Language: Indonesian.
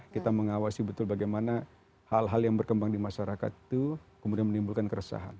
kita mengawasi betul bagaimana hal hal yang berkembang di masyarakat itu kemudian menimbulkan keresahan